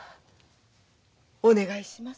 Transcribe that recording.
お願いします。